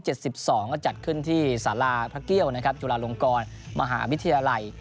ก็จัดขึ้นที่สาราพระเกี่ยวนะครับจุฬาลงกรมหาวิทยาลัย